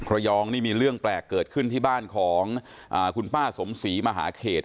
ระยองนี่มีเรื่องแปลกเกิดขึ้นที่บ้านของคุณป้าสมศรีมหาเขต